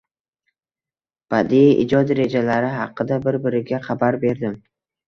Badiiy ijod rejalari haqida bir-biriga xabar berdim.